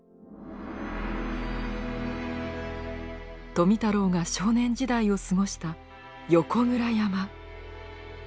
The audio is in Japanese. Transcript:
富太郎が少年時代を過ごした横倉山。